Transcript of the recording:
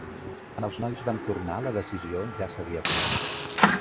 Quan els nois van tornar la decisió ja s'havia pres.